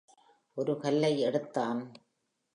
ஒரு கல்லை எடுத்தான்.